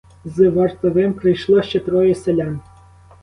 З вартовим прийшло ще троє селян.